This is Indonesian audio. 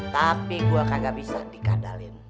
tapi gue kagak bisa dikadalin